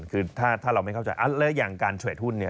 คือถ้าเราไม่เข้าใจอย่างการเทรดหุ้น